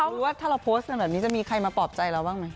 หรือว่าถ้าเราโพสต์กันแบบนี้จะมีใครมาปลอบใจเราบ้างไหม